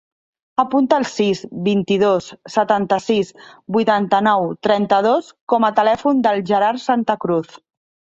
Apunta el sis, vint-i-dos, setanta-sis, vuitanta-nou, trenta-dos com a telèfon del Gerard Santa Cruz.